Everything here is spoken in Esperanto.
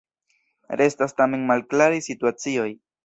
Restas tamen malklaraj situacioj.